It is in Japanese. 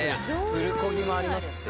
プルコギもありますって。